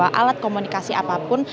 membawa alat komunikasi apapun